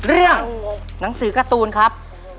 เรื่องหนังสือการ์ตูนครับ